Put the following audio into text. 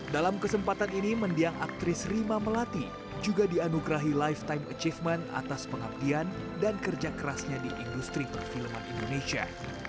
dalam kesempatan ini mendiang aktris rima melati juga dianugerahi lifetime achievement atas pengabdian dan kerja kerasnya di industri perfilman indonesia